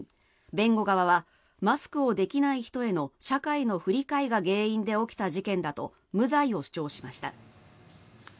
弁護側はマスクをできない人への社会の不理解が原因で起きた事件だと無罪を主張しました。